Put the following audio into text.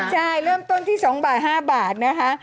ใช่เริ่มต้นที่๒บาท๕บาทนะคะ